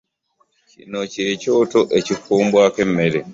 Kino kyekyoto ekifumbwako emmere.